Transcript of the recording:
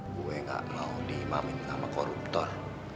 gue gak mau diimamin sama koruptor